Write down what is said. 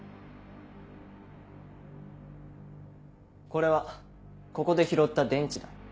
これはここで拾った電池だ。